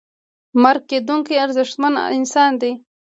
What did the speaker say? مرکه کېدونکی ارزښتمن انسان دی.